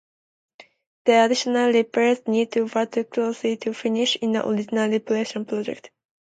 The additional repairs needed were too costly to finish in the original restoration project.